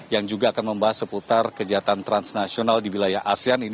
yang juga akan membahas seputar kegiatan transnasional di wilayah asean ini